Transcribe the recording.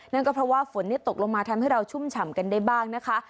นั่นก็เพราะว่าฝนตกลงมาทำให้เราชุ่มฉ่ำกันได้บ้างนะคะ